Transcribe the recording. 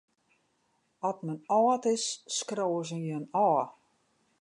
Ast men âld is, skriuwe se jin ôf.